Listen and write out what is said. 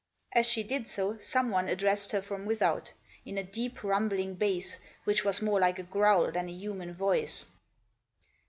As she did so someone addressed her from without ; in a deep rumbling bass, which was more like a growl than a human voice.